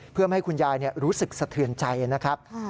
เพื่อไม่ให้คุณยายรู้สึกสะเทือนใจนะครับ